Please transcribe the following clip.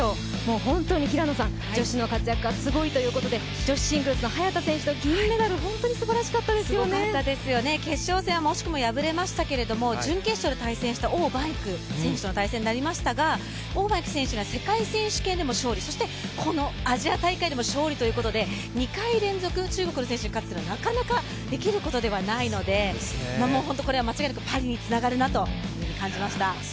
本当に平野さん女子の活躍がすごいということで、女子シングルスの早田選手、銀メダル本当にすごかったですよね、決勝戦は、惜しくも敗れましたが準決勝で対戦した王曼イク選手との対戦になりましたが前回、王曼イク選手に勝利、そして、このアジア大会でも勝利ということで２回連続、中国の選手に勝つのは、なかなかできることではないので本当に間違いなくパリにつながるなと思いました。